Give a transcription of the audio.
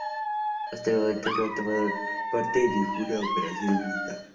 Hasta el momento no ha tomado parte en ninguna operación militar.